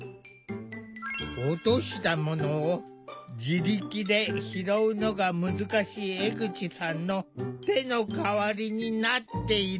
落としたものを自力で拾うのが難しい江口さんの手の代わりになっている。